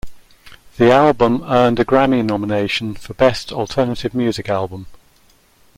The album earned a Grammy nomination for Best Alternative Music Album.